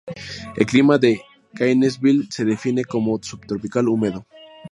El clima de Gainesville se define como subtropical húmedo.